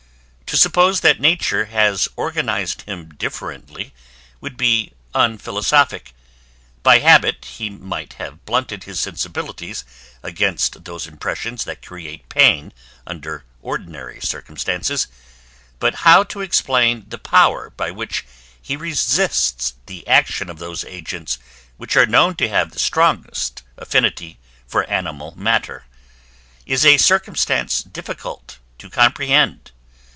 To suppose that nature has organized him differently, would be unphilosophic: by habit he might have blunted his sensibilities against those impressions that create pain under ordinary circumstances; but how to explain the power by which he resists the action of those agents which are known to have the strongest affinity for animal matter, is a circumstance difficult to comprehend.